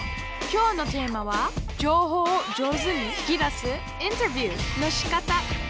きょうのテーマは情報を上手に引き出す「インタビューのしかた」